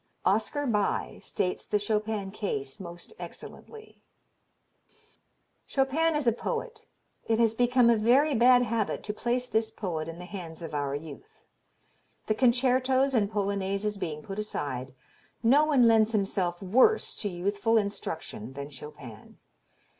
Oscar Bie states the Chopin case most excellently: Chopin is a poet. It has become a very bad habit to place this poet in the hands of our youth. The concertos and polonaises being put aside, no one lends himself worse to youthful instruction than Chopin.